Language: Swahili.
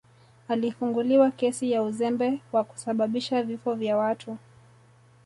alifunguliwa kesi ya uzembe wa kusababisha vifo vya watu